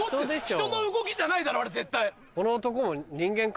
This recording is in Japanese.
人の動きじゃないだろあれ絶対。